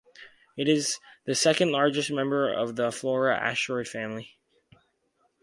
It is the second-largest member of the Flora asteroid family.